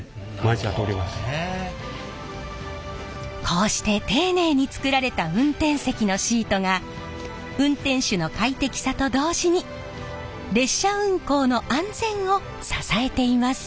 こうして丁寧に作られた運転席のシートが運転手の快適さと同時に列車運行の安全を支えています。